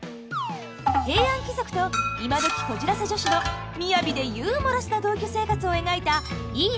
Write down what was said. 平安貴族と今どきこじらせ女子の雅でユーモラスな同居生活を描いた「いいね！